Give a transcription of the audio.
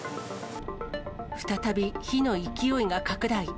再び火の勢いが拡大。